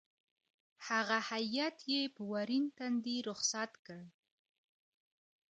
هغه هېئت یې په ورین تندي رخصت کړ.